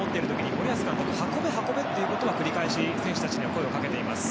森保監督、運べ運べということを繰り返し選手たちに声をかけています。